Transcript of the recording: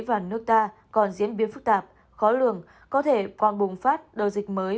và nước ta còn diễn biến phức tạp khó lường có thể còn bùng phát đầu dịch mới